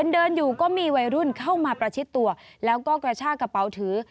เดินอยู่ก็มีวัยรุ่นเข้ามาประชิดตัวแล้วก็กระชากระเป๋าถือ